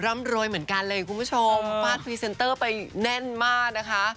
ร่ำรวยเหมือนกันเลยคุณผู้ชมฟาดพรีเซนเตอร์ไปแน่นมากนะคะ